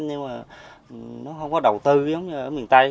nhưng mà nó không có đầu tư giống như ở miền tây